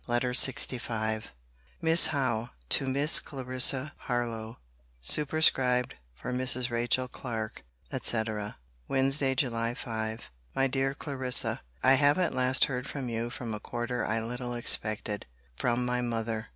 LETTER LXV MISS HOWE, TO MISS CLARISSA HARLOWE [SUPERSCRIBED FOR MRS. RACHEL CLARK, &c.] WEDNESDAY, JULY 5. MY DEAR CLARISSA, I have at last heard from you from a quarter I little expected. From my mother!